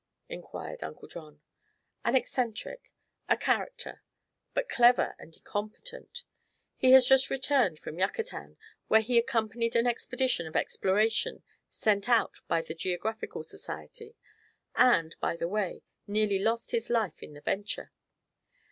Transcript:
inquired Uncle John. "An eccentric; a character. But clever and competent. He has just returned from Yucatan, where he accompanied an expedition of exploration sent out by the Geographical Society and, by the way, nearly lost his life in the venture.